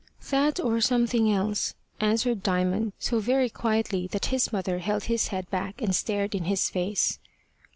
"That or something else," answered Diamond, so very quietly that his mother held his head back and stared in his face.